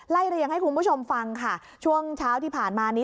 เรียงให้คุณผู้ชมฟังค่ะช่วงเช้าที่ผ่านมานี้